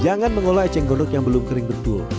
jangan mengolah eceng gondok yang belum kering betul